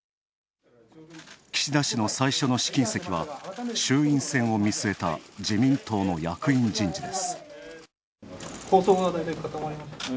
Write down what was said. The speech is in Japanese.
岸田氏の最初の試金石は衆院選を見据えた自民党の役員人事です。